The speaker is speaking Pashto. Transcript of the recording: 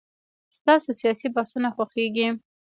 ستاسو سياسي بحثونه خوښيږي.